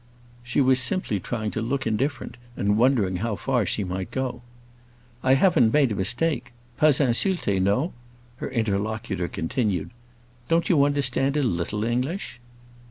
She was simply trying to look indifferent, and wondering how far she might go. "I haven't made a mistake—pas insulté, no?" her interlocutor continued. "Don't you understand a little English?"